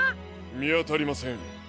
みあたりません。